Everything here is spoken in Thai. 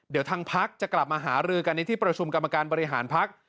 เดี๋ยวทางพักจะกลับมาหารือกันในที่ประชุมกรรมการบริหารพัก